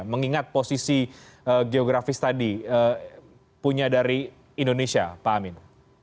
mengingat posisi geografis tadi punya dari indonesia pak amin